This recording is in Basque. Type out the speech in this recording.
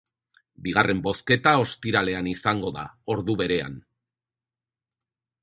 Bigarren bozketa ostiralean izango da, ordu berean.